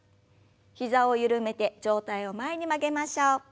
膝を緩めて上体を前に曲げましょう。